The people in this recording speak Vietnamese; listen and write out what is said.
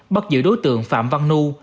bắt giữ đối tượng phạm văn nhu